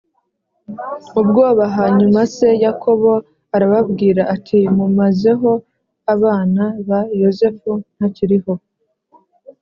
Ubwoba hanyuma se yakobo arababwira ati mumazeho abana b yozefu ntakiriho